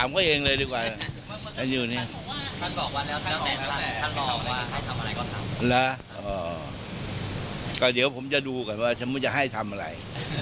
ก็เดี๋ยวผมจะดูก่อนว่าฉันจะให้ทำอะไร